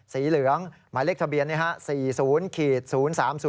สีเหลืองหมายเลขทะเบียนเนี่ยฮะ